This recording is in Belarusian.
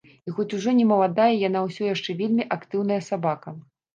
І хоць ужо не маладая, яна ўсё яшчэ вельмі актыўная сабака.